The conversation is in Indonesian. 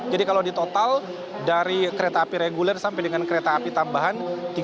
jadi kalau di total dari kereta api reguler sampai dengan kereta api tambahan